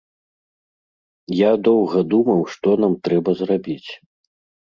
Я доўга думаў, што нам трэба зрабіць.